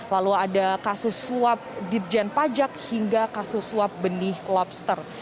lalu ada kasus suap dirjen pajak hingga kasus suap benih lobster